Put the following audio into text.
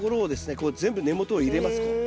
こう全部根元を入れますこう。